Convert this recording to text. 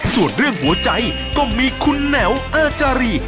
ส่วนเรื่องหัวใจก็มีคุณแหนวอาจารี